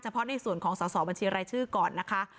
เพราะในส่วนของสอบบัญชีรายชื่อก่อนนะคะ